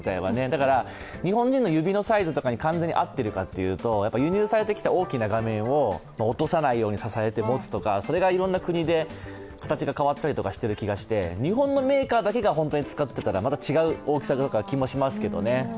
だから、日本人に完全に合っているかというと、輸入されてきた大きな画面を落とさないように支えて持つとかそれがいろんな国で形が変わったりしている気がして、日本のメーカーのものを本当に使っていたら、また違う大きさだと思いますけどね。